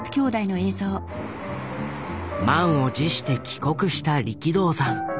満を持して帰国した力道山。